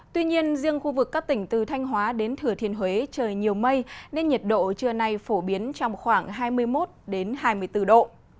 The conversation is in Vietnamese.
tuy nhiên riêng khu vực các tỉnh từ thanh hóa đến thừa thiên huế trời nhiều mây nên nhiệt độ trưa nay phổ biến trong khoảng hai mươi một hai mươi bốn độ